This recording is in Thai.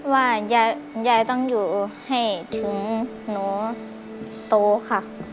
ว่ายายต้องอยู่ให้ถึงหนูโตค่ะ